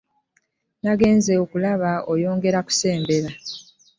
Nagenze okulaba ayongera kusembera.